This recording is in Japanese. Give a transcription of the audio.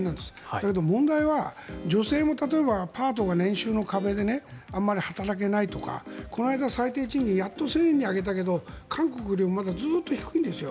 だけど、問題は女性もパートが年収の壁であまり働けないとかこの間、最低賃金やっと１０００円に上げたけど韓国でまだずっと低いんです。